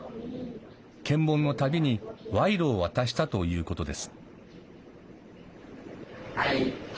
検問の度に賄賂を渡したということです。